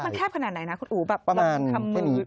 มันแคบขนาดไหนนะคุณอู๋แบบเราทำ